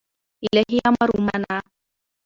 الهي امر ومانه